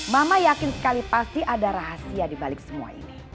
mama yakin sekali pasti ada rahasia dibalik semua ini